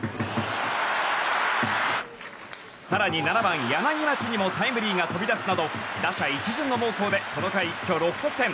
更に７番、柳町にもタイムリーが飛び出すなど打者一巡の猛攻でこの回、一挙６得点。